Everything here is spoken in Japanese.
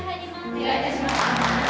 お願いいたします。